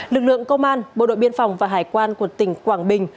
lực lượng công an bộ đội biên phòng và hải quan của tỉnh quảng bình